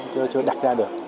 chưa đặt ra được